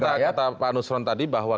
tapi kan kata pak nusron tadi bahwa